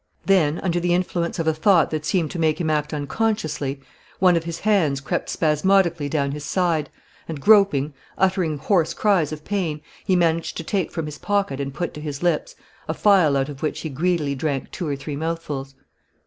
Then, under the influence of a thought that seemed to make him act unconsciously, one of his hands crept spasmodically down his side, and, groping, uttering hoarse cries of pain, he managed to take from his pocket and put to his lips a phial out of which he greedily drank two or three mouthfuls.